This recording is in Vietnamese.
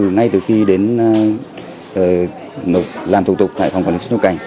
ngay từ khi đến làm thủ tục tại phòng quản lý xuất nhập cảnh